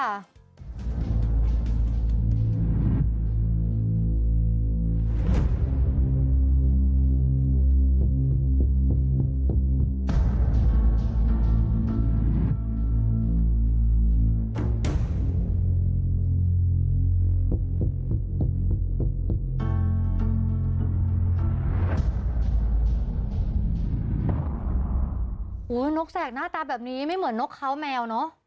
โอ้โหนกแสกหน้าตาแบบนี้ไม่เหมือนนกเขาแมวเนอะ